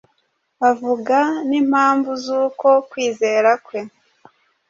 avuga n’impamvu z’uko kwizera kwe